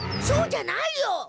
そうじゃないよ！